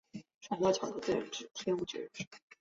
工业上的氢氟酸是通过用酸分解磷灰石获得的。